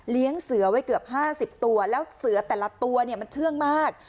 เลี้ยงเสื้อไว้เกือบห้าสิบตัวแล้วเสื้อแต่ละตัวเนี่ยมันเชื่องมาก